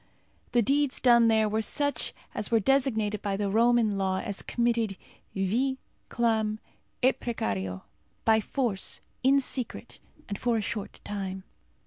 The deeds done there were such as were designated by the Roman law as committed vi, clam, et precario by force, in secret, and for a short time.